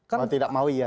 kalau tidak mau iya